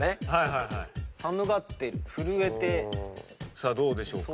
さあどうでしょうか？